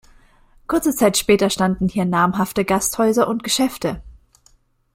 Kurze Zeit später standen hier namhafte Gasthäuser und Geschäfte.